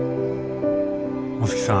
お月さん